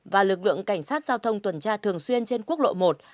và lực lượng cảnh sát giao thông tuần tra thường xuyên trên quốc lộ một